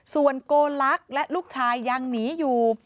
ส่วนโกลักษณ์และลูกชายยังหนีอยู่